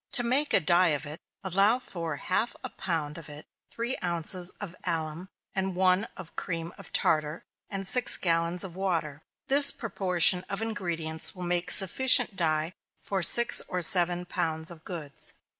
To make a dye of it, allow for half a pound of it three ounces of alum, and one of cream of tartar, and six gallons of water. This proportion of ingredients will make sufficient dye for six or seven pounds of goods.